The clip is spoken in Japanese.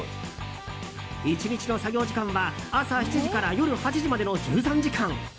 １日の作業時間は朝７時から夜８時までの１３時間。